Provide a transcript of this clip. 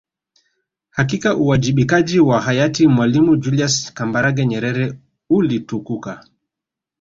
Hakika uwajibikaji wa hayati Mwalimu Julius Kambarage Nyerere ulitukuka